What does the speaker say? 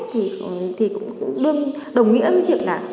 thì cũng đồng nghĩa với việc là